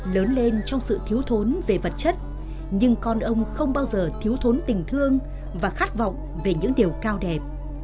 lớn lên trong sự thiếu thốn về vật chất nhưng con ông không bao giờ thiếu thốn tình thương và khát vọng về những điều cao đẹp